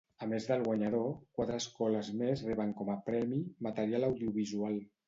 A més del guanyador, quatre escoles més reben com a premi material audiovisual.